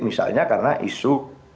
misalnya karena isu